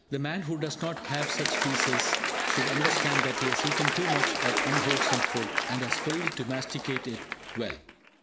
The man who does not have such fæces should understand that he has eaten too much of unwholesome food, and has failed to masticate it well.